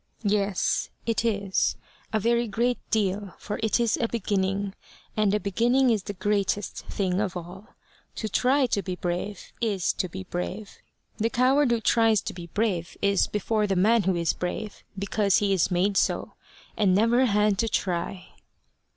"Yes, it is a very great deal, for it is a beginning. And a beginning is the greatest thing of all. To try to be brave is to be brave. The coward who tries to be brave is before the man who is brave because he is made so, and never had to try."